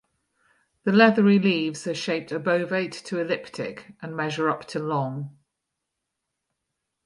The leathery leaves are shaped obovate to elliptic and measure up to long.